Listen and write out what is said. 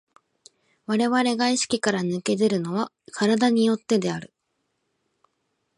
我々が意識から脱け出るのは身体に依ってである。